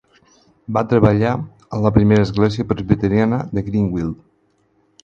Va treballar a la primera església presbiteriana de Greenville.